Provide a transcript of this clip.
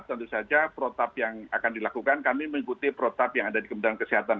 tentu saja protap yang akan dilakukan kami mengikuti protap yang ada di kementerian kesehatan